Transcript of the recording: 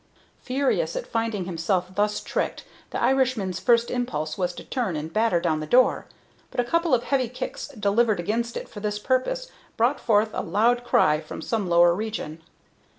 Furious at finding himself thus tricked, the Irishman's first impulse was to turn and batter down the door, but a couple of heavy kicks delivered against it for this purpose brought forth a loud cry from some lower region.